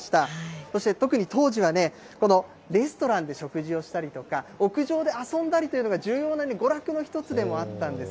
そして特に当時は、このレストランで食事をしたりとか、屋上で遊んだりというのが、重要な娯楽の１つでもあったんです。